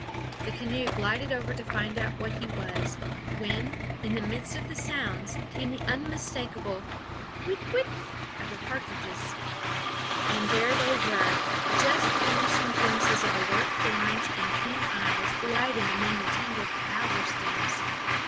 The canoe glided over to find out what he was, when, in the midst of the sounds, came the unmistakable Whit kwit? of partridges and there they were, just vanishing glimpses of alert forms and keen eyes gliding among the tangled alder stems.